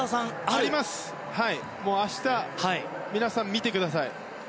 明日、皆さん、見てください。